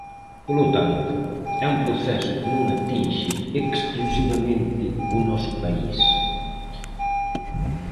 Polo tanto, é un proceso que non atinxe exclusivamente o noso país.